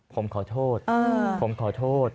ต่อมาแล้วผมขอโทษผมขอโทษ